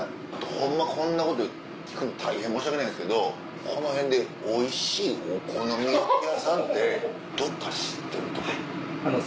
ホンマこんなこと聞くの大変申し訳ないんですけどこの辺でおいしいお好み焼き屋さんってどっか知ってるとこ。